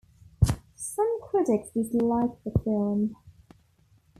Some critics disliked the film.